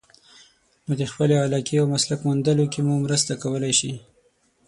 نو د خپلې علاقې او مسلک موندلو کې مو مرسته کولای شي.